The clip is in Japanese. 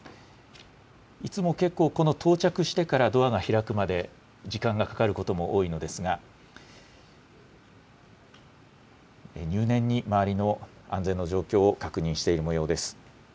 いつも結構、この到着してからドアが開くまで、時間がかかることも多いのですが、入念に周りの安全の状況を確認しているもようです。